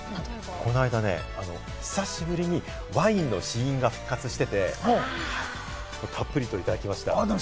この間ね、久しぶりにワインの試飲が復活していて、たっぷりといただきました。